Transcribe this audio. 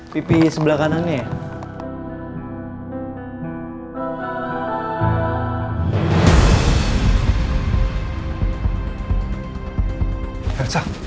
pipi sebelah kanannya ya